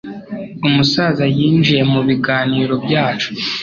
Umusaza yinjiye mubiganiro byacu.